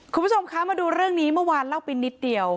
คุณผู้ชมคะมาดูเรื่องนี้เมื่อวานเล่าไปนิดเดียว